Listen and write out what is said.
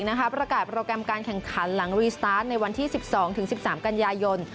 ประกาศโปรแกรมการแข่งขันหลังรีสตาร์ทในวันที่๑๒๑๓กันยายน